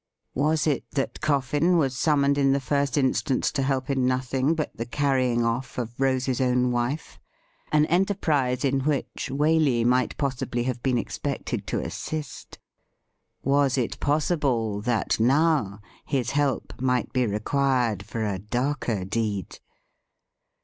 Was it that Coffin was summoned in the first instance to help in nothing but the carrying off of Rose's own wife — an enterprise in which Waley might possibly have been expected to assist ? Was it possible that now his help might be required for a darker deed